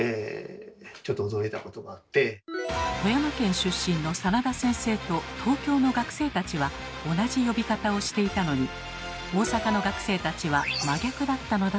富山県出身の真田先生と東京の学生たちは同じ呼び方をしていたのに大阪の学生たちは真逆だったのだといいます。